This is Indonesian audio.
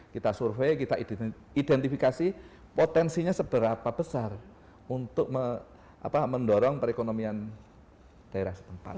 kita survei kita identifikasi potensinya seberapa besar untuk mendorong perekonomian daerah setempat